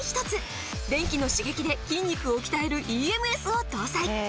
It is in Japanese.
電気の刺激で筋肉を鍛えるＥＭＳを搭載。